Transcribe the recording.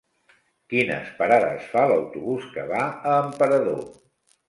Quines parades fa l'autobús que va a Emperador?